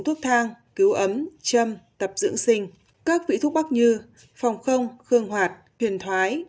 tâm cứu ấm châm tập dưỡng sinh các vị thuốc bắc như phòng không khương hoạt huyền thoái